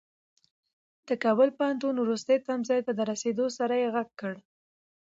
د کابل پوهنتون وروستي تمځای ته د رسېدو سره يې غږ کړ.